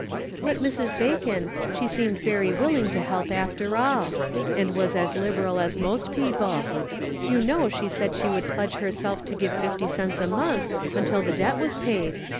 " But Mrs. Bacon, she seemed very willing to help, after all ; and was as liberal as most peo ple. You know she said she would pledge her self to give fifty cents a month until the debt was paid.